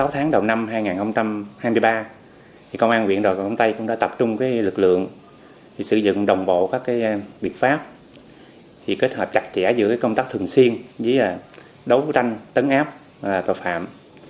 sáu tháng đầu năm hai nghìn hai mươi ba công an huyện cầm tây cũng đã tập trung lực lượng sử dụng đồng bộ các biệt pháp kết hợp chặt chẽ giữa công tác thường xuyên với đấu tranh tấn áp tội phạm